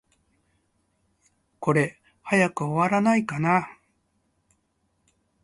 これ、早く終わらないかな。